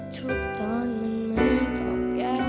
ทุกตอนมันไม่ตอบย้ำ